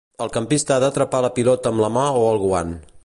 El campista ha d'atrapar la pilota amb la mà o el guant.